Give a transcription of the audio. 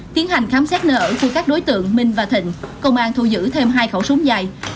tiến hành khám xét nơi ở của các đối tượng minh và thịnh công an thu giữ thêm hai khẩu súng dài